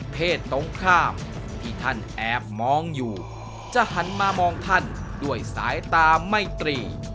เพศตรงข้ามที่ท่านแอบมองอยู่จะหันมามองท่านด้วยสายตาไม่ตรี